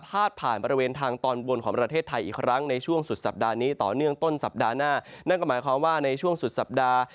พาดผ่านบริเวณทางตอนบนของประเทศไทยอีกครั้งในช่วงสุดสัปดาห์นี้ต่อเนื่องต้นสัปดาห์หน้า